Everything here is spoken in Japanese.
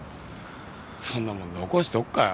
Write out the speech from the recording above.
そんなもん残しておくかよ。